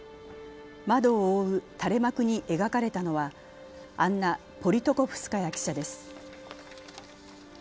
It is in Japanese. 窓を覆う垂れ幕に描かれたのはアンナ・ポリトコフスカヤ記者です